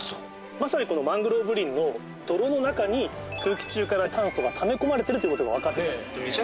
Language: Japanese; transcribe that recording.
まさにこのマングローブ林の泥の中に空気中から炭素がため込まれてるっていうことが分かってます。